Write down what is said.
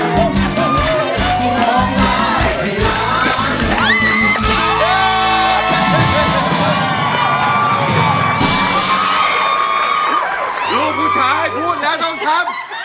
รู้ผู้ชายพูดแล้วต้องทำ